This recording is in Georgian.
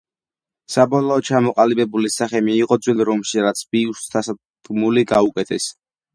საბოლოოდ ჩამოყალიბებული სახე მიიღო ძველ რომში, სადაც ბიუსტს დასადგმელი გაუკეთეს.